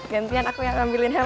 gantian aku yang ambilin helm ya